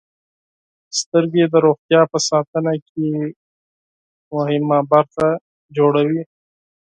• سترګې د روغتیا په ساتنه کې مهمه برخه جوړوي.